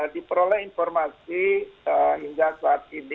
diperoleh informasi hingga saat ini